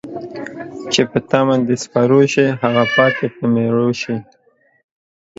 چې په تمه د سپرو شي ، هغه پاتې په میرو ښی